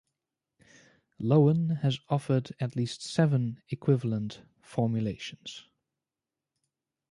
Lowen has offered at least seven equivalent formulations.